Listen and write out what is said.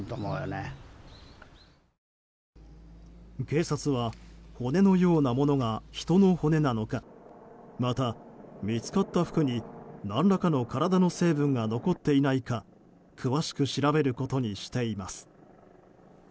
警察は骨のようなものが人の骨なのかまた、見つかった服に何らかの体の成分が残っていないか詳しく調べることにしています。